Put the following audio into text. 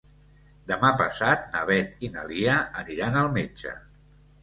Demà passat na Beth i na Lia aniran al metge.